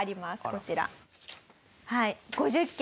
こちら。